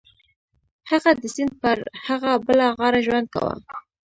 هغه د سیند پر هغه بله غاړه ژوند کاوه.